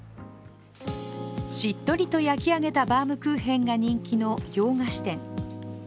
しっとりと焼き上げたバウムクーヘンが人気の洋菓子店。